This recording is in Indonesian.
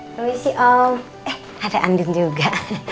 permisi om eh ada andung juga